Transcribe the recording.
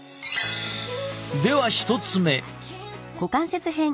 では１つ目。